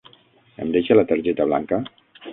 Em deixa la targeta blanca?